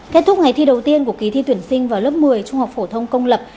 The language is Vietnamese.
kết thúc ngày thi đầu tiên của kỳ thi tuyển sinh vào lớp một mươi trung học phổ thông công lập